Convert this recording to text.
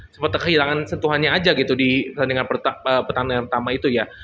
sempat kehilangan sentuhannya aja gitu di pertandingan pertama itu ya